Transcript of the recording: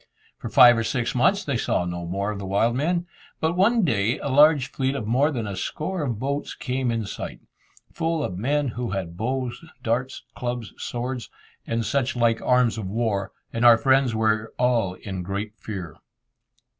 For five or six months they saw no more of the wild men. But one day a large fleet of more than a score of boats came in sight, full of men who had bows, darts, clubs, swords, and such like arms of war, and our friends were all in great fear.